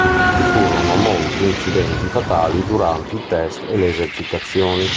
Ci furono molti incidenti fatali durante i test e le esercitazioni.